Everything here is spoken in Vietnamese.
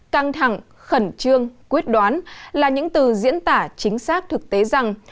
căng thẳng khẩn trương quyết đoán là những từ diễn tả chính xác thực tế rằng